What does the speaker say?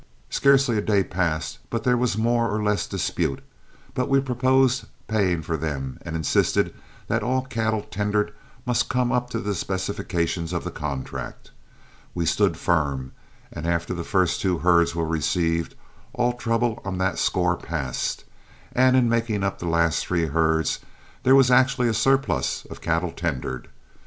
Scarcely a day passed but there was more or less dispute; but we proposed paying for them, and insisted that all cattle tendered must come up to the specifications of the contract. We stood firm, and after the first two herds were received, all trouble on that score passed, and in making up the last three herds there was actually a surplus of cattle tendered.